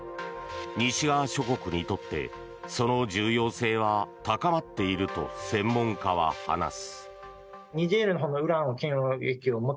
西側諸国にとってその重要性は高まっていると専門家は話す。